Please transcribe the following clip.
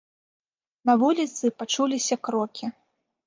На вуліцы пачуліся крокі.